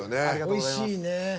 おいしいね。